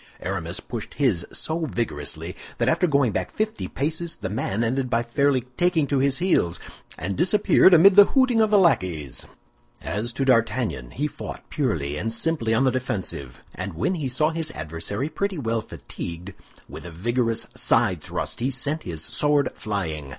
Aramis pushed his so vigorously that after going back fifty paces, the man ended by fairly taking to his heels, and disappeared amid the hooting of the lackeys. As to D'Artagnan, he fought purely and simply on the defensive; and when he saw his adversary pretty well fatigued, with a vigorous side thrust sent his sword flying.